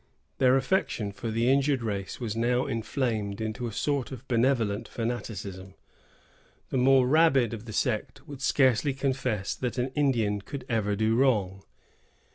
Their affection for the injured race was now inflamed into a sort of benevolent fanaticism. The more rabid of the sect would scarcely confess that an Indian could ever do wrong.